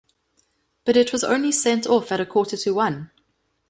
But it was only sent off at a quarter to one.